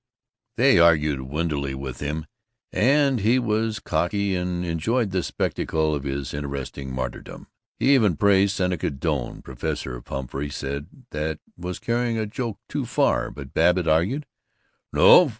They argued windily with him, and he was cocky, and enjoyed the spectacle of his interesting martyrdom. He even praised Seneca Doane. Professor Pumphrey said that was carrying a joke too far; but Babbitt argued, "No!